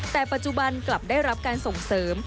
แต่ปัจจุบันกลับได้รับการส่งเสริม